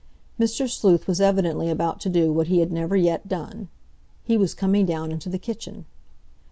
Mr. Sleuth was evidently about to do what he had never yet done. He was coming down into the kitchen.